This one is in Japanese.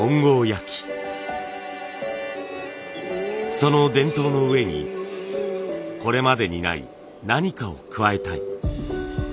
その伝統の上にこれまでにない何かを加えたい。